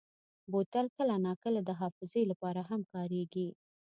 بوتل کله ناکله د حافظې لپاره هم کارېږي.